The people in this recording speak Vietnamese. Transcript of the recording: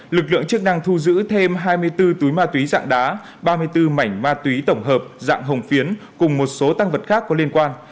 lực lượng chức năng thu giữ thêm hai mươi bốn túi ma túy dạng đá ba mươi bốn mảnh ma túy tổng hợp dạng hồng phiến cùng một số tăng vật khác có liên quan